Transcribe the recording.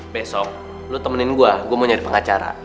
besok lu temenin gue gue mau nyari pengacara